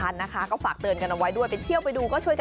แล้ววานลูกคุณชนะ